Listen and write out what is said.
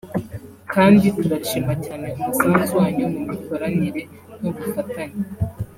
kandi turashima cyane umusanzu wanyu mu mikoranire n’ubufatanye